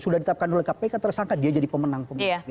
sudah ditetapkan oleh kpk tersangka dia jadi pemenang pemilu